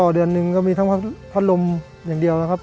เดือนหนึ่งก็มีทั้งพัดลมอย่างเดียวนะครับ